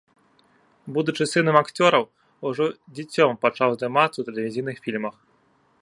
Будучы сынам акцёраў, ужо дзіцем пачаў здымацца ў тэлевізійных фільмах.